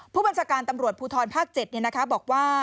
ผู้บัญชาการตำรวจภูทรภาค๗บอกว่า